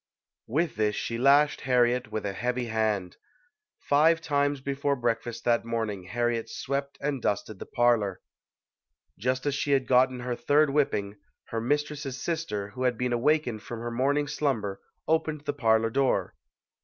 With this she lashed Harriet with a heavy hand. Five times before breakfast that morning Harriet swept and dusted the parlor. Just as she had gotten her third whipping, her mistress's sister, who had been awakened from her morning slumber, opened the parlor door.